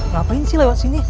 ngapain sih lewat sini